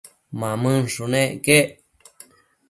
Mamënshunec quec